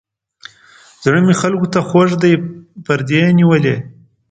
زړه مې خلکو ته خوږ دی پردي یې نیولي.